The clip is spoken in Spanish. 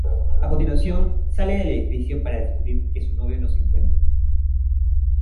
A continuación, sale del edificio para descubrir que su novio no se encuentra.